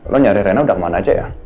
lo nyari rena udah kemana aja ya